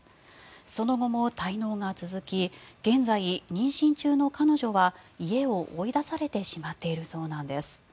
その後も滞納が続き現在妊娠中の彼女は家を追い出されてしまっているそうなんです。